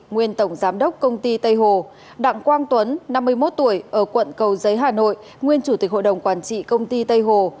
nguyên tổng giám đốc công ty tây hồ đặng quang tuấn năm mươi một tuổi ở quận cầu giấy hà nội nguyên chủ tịch hội đồng quản trị công ty tây hồ